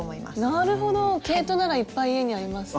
なるほど毛糸ならいっぱい家にあります。